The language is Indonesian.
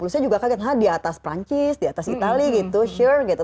saya juga kaget di atas perancis di atas itali sure